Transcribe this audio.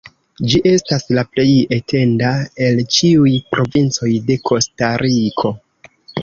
Ĝi estas la plej etenda el ĉiuj provincoj de Kostariko.